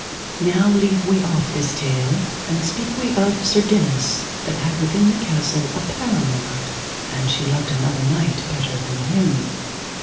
Now leave we off this tale, and speak we of Sir Dinas that had within the castle a paramour, and she loved another knight better than him.